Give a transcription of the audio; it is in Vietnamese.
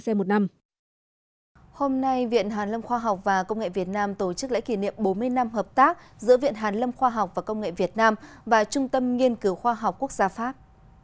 và trung tâm nghiên cứu khoa học quốc gia pháp